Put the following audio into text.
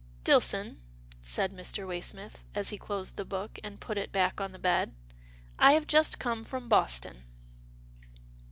" Dillson," said Mr. Waysmith, as he closed the book, and put it back on the bed. " I have just come from Boston."